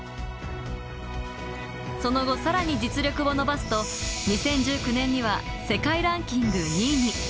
その後、さらに実力を伸ばすと、２０１９年には世界ランキング２位に。